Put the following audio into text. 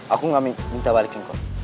aku nggak minta balikin kok